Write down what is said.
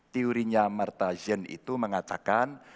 teorinya martha zinn itu mengatakan